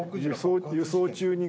輸送中に。